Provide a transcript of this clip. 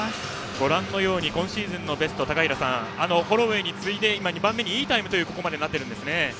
ご覧のように今シーズンのベストですがホロウェイに次いで２番目にいいタイムになっていますね。